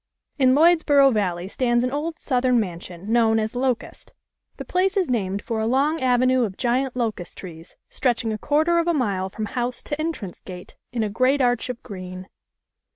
(In Lloydsboro Valley stands an old Southern man sion, known as "Locust." The place is named for a long avenue of giant locust trees stretching a quar ter of a mile from house to entrance gate, in a great arch of green.